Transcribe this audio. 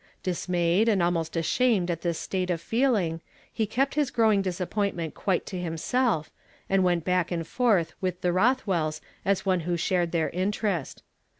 Dismayed and almost ashamed at this state of feeling, he kept his growing disappointment quite to himself, and went back and forth Avith the Koth wells as one who shared their interest.